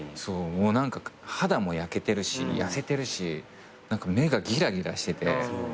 肌も焼けてるし痩せてるし目がギラギラしてて。